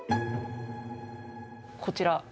こちら。